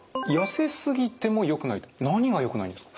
何がよくないんですか？